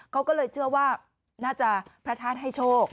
เขาก็เลยเชื่อว่าน่าจะพระธาตุให้โชค